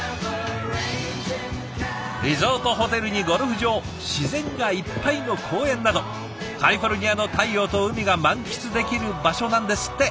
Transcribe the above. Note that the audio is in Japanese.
リゾートホテルにゴルフ場自然がいっぱいの公園などカリフォルニアの太陽と海が満喫できる場所なんですって。